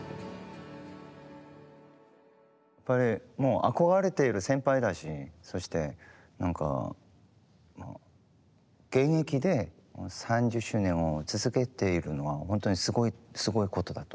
やっぱりもう憧れている先輩だしそして何か現役で３０周年を続けているのはほんとにすごいことだと思って。